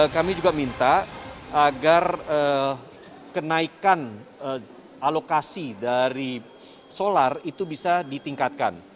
kami juga minta agar kenaikan alokasi dari solar itu bisa ditingkatkan